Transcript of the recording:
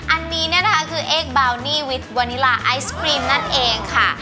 อันนี้คือเอกบาวนี่วิทวานิลาไอศกรีมนั่นเองค่ะ